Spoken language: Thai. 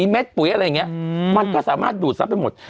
แม็กซ์ปุ๋วมันก็สามารถดูดซ้ำไปหมด